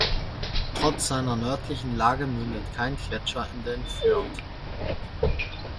Trotz seiner nördlichen Lage mündet kein Gletscher in den Fjord.